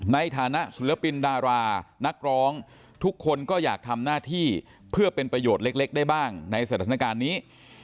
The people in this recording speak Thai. ในฐานะศิลปินดารานักร้องทุกคนก็อยากทำหน้าที่เพื่อเป็นประโยชน์เล็กได้บ้างในสถานการณ์นี้